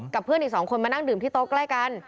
เพื่อนอีกสองคนมานั่งดื่มที่โต๊ะใกล้กัน